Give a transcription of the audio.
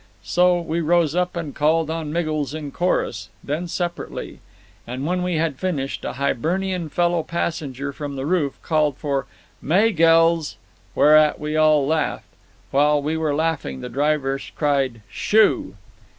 So we rose up and called on Miggles in chorus; then separately. And when we had finished, a Hibernian fellow passenger from the roof called for "Maygells!" whereat we all laughed. While we were laughing, the driver cried "Shoo!"